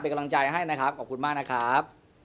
เป็นกำลังใจให้นะครับขอบคุณมากนะครับ